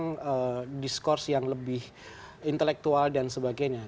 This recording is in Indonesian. perang diskursi yang lebih intelektual dan sebagainya